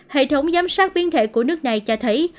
hệ thống giám sát biến thể của nước này cho thấy